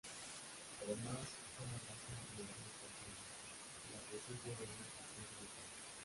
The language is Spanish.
Además, ella abrazó la generación espontánea y la presencia de una "sustancia vital".